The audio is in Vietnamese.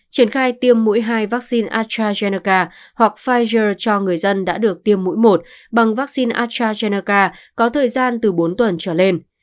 triển khai tiêm mũi hai vaccine astrazeneca hoặc pfizer cho người dân đã được tiêm mũi một bằng vaccine astrazeneca có thời gian từ bốn tuần trở lên